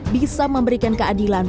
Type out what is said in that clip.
bisa memberikan keadilan